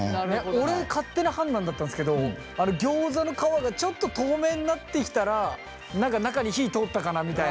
俺勝手な判断だったんすけどギョーザの皮がちょっと透明になってきたら何か中に火通ったかなみたいな。